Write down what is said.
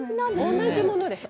同じものです。